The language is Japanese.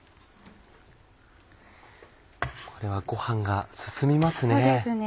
これはご飯が進みますね。